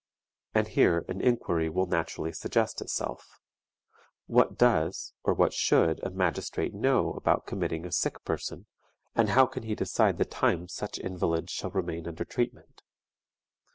And here an inquiry will naturally suggest itself, What does, or what should a magistrate know about committing a sick person, and how can he decide the time such invalid shall remain under treatment?